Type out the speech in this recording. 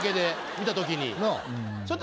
見た時に。